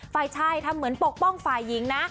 ฝ่ายชายทำเหมือนปกป้องฝ่ายหญิงนะ